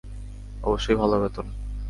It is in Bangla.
অবশ্যই ভালো বেতন।